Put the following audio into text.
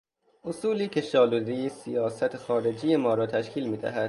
اصولی که شالودهی سیاست خارجی ما را تشکیل میدهد